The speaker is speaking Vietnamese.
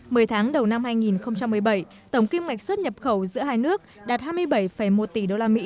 mười tháng đầu năm hai nghìn một mươi bảy tổng kim ngạch xuất nhập khẩu giữa hai nước đạt hai mươi bảy một tỷ usd